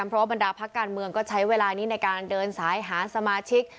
เพราะว่าบรรดาพักการเมืองก็ใช้เวลานี้ในการเดินสายหาสมาชิก